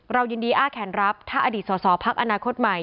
ยินดีอ้าแขนรับถ้าอดีตสอสอพักอนาคตใหม่